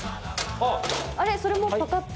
あっそれもパカッと。